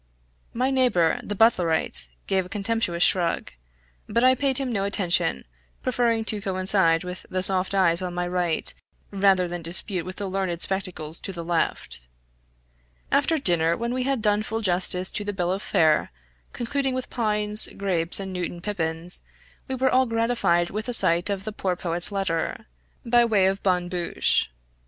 My neighbor, the Butlerite, gave a contemptuous shrug, but I paid him no attention, preferring to coincide with the soft eyes on my right, rather than dispute with the learned spectacles to the left. After dinner when we had done full justice to the bill of fare, concluding with pines, grapes, and Newtown pippins, we were all gratified with a sight of the poor poet's letter, by way of bonne bouche.